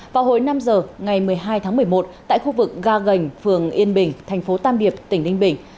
vào hồi năm giờ ngày một mươi hai tháng một mươi một tại khu vực ga gành phường yên bình thành phố tam điệp tỉnh ninh bình